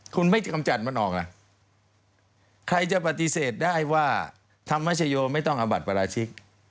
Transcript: คุณไม่กำจัดมันออกล่ะใครจะปฏิเสธได้ว่าธรรมชโยไม่ต้องเอาบัตรปราชิก